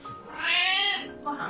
ごはん？